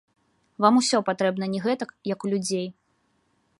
Вам усё патрэбна не гэтак, як у людзей.